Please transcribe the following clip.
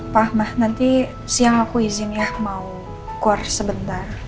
pak ahmad nanti siang aku izin ya mau core sebentar